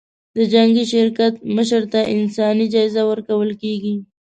د جنګي شرکت مشر ته انساني جایزه ورکول کېږي.